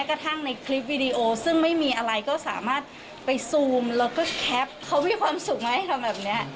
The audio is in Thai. เราก็ซูมเราก็แคปเขามีความสุขไหมทำแบบนี้